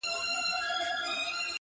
خلگو نه زړونه اخلې خلگو څخه زړونه وړې ته